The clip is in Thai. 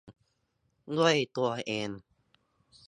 ด้วยตัวเอง